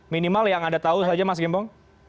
minimal yang anda tahu saja mas gembong